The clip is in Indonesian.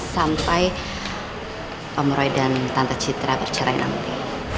sampai om roy dan tanda citra bercerai nanti